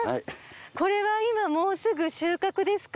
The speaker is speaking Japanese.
これは今もうすぐ収穫ですか？